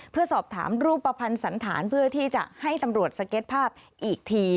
เพื่อสอบถามรูปภัณฑ์สันธารเพื่อที่จะให้ตำรวจสเก็ตภาพอีกที